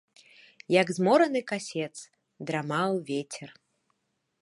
Як змораны касец, драмаў вецер.